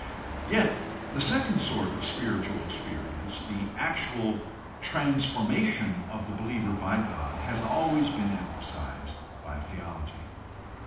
Yet the second sort of spiritual experience, the actual transfonnation of the believer by God, has always been empha sized by theology.